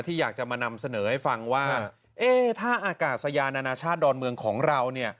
อยากจะมานำเสนอให้ฟังว่าถ้าอากาศยานานาชาติดอนเมืองของเรา